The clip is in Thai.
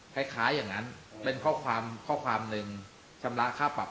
คล้ายอย่างนั้นเป็นข้อความข้อความหนึ่งชำระค่าปรับ